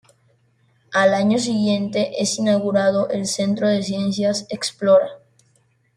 Al año siguiente es inaugurado el Centro de Ciencias Explora.